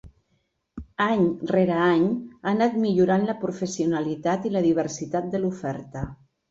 Any rere any ha anat millorant la professionalitat i la diversitat de l'oferta.